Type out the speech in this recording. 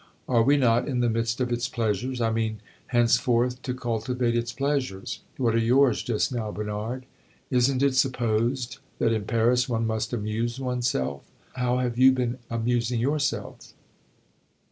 "Are we not in the midst of its pleasures? I mean, henceforth, to cultivate its pleasures. What are yours, just now, Bernard? Is n't it supposed that in Paris one must amuse one's self? How have you been amusing yourself?"